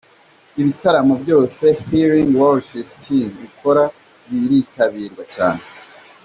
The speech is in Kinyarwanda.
Ibitaramo byose Healing Worship Team ikora biritabirwa cyane.